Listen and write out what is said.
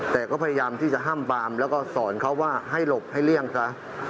แต่ก็พยายามที่จะห้ามปามแล้วก็สอนเขาว่าให้หลบให้เลี่ยงซะ